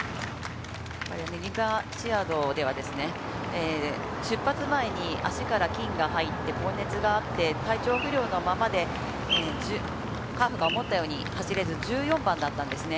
ユニバーシアードでは出発前に足から菌が入って高熱があって、体調不良のままで、ハーフが思ったように走れず、１４番だったんですね。